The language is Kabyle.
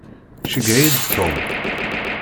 Ceyyeɛ-iyi-d Tom.